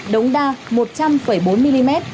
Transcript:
đống đa một trăm linh bốn mm